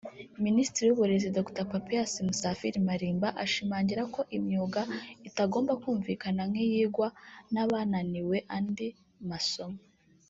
Minisitiri w’uburezi Dr Papias Musafiri Malimba ashimangira ko imyuga itagomba kumvikana nk’iyigwa n’abananiwe andi masomo